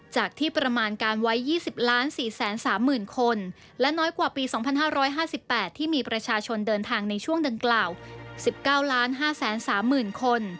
จากที่ประมาณการไว้๒๐๔๓๐๐๐คนและน้อยกว่าปี๒๕๕๘ที่มีประชาชนเดินทางในช่วงดังกล่าว๑๙๕๓๐๐๐คน